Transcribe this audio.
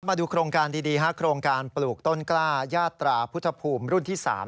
มาดูโครงการดีฮะโครงการปลูกต้นกล้ายาตราพุทธภูมิรุ่นที่๓